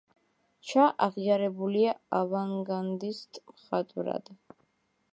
ჩა აღიარებულია ავანგარდისტ მხატვრად.